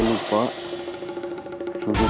ini harga kini